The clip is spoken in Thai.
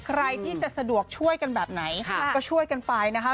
ใครที่จะสะดวกช่วยกันแบบไหนก็ช่วยกันไปนะคะ